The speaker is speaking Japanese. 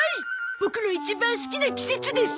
ボクの一番好きな季節です！